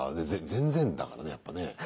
全然だからねやっぱね。